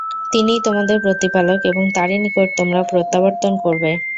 তিনিই তোমাদের প্রতিপালক এবং তারই নিকট তোমরা প্রত্যাবর্তন করবে।